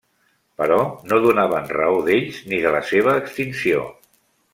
Però no donaven raó d'ells ni de la seva extinció.